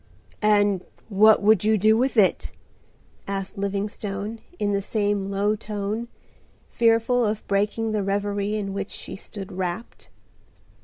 "And what would you do with it?" asked Livingstone in the same low tone, fearful of breaking the reverie in which she stood wrapped.